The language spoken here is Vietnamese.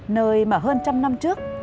nơi mà hơn trăm năm trước